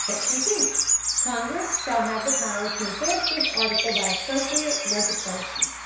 SECTION 2. Congress shall have power to enforce this article by appropriate legislation.